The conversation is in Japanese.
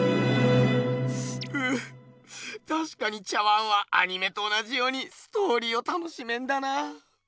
ううたしかに茶碗はアニメと同じようにストーリーを楽しめんだな。